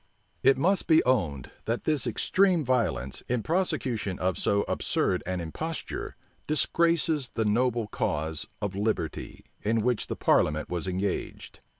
It must be owned, that this extreme violence, in prosecution of so absurd an imposture, disgraces the noble cause of liberty, in which the parliament was engaged.